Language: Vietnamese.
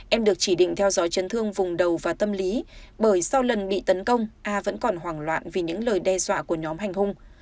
em được chỉ định theo dõi chấn thương vùng đầu và tâm lý bởi sau lần bị tấn công a vẫn còn hoảng loạn vì những lời đe dọa của nhóm hành hung